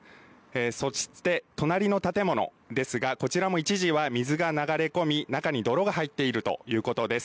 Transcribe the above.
そして隣の建物ですが、こちらも一時は水が流れ込み、中に泥が入っているということです。